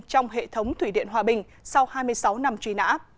trong hệ thống thủy điện hòa bình sau hai mươi sáu năm truy nã